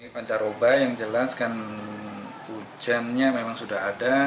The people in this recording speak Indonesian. pancaroba yang jelas kan hujannya memang sudah ada